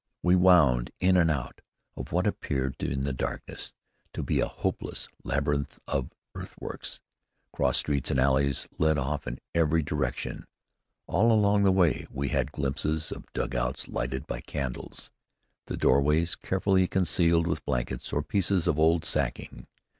We wound in and out of what appeared in the darkness to be a hopeless labyrinth of earthworks. Cross streets and alleys led off in every direction. All along the way we had glimpses of dugouts lighted by candles, the doorways carefully concealed with blankets or pieces of old sacking.